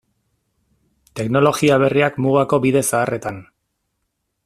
Teknologia berriak mugako bide zaharretan.